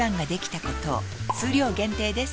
数量限定です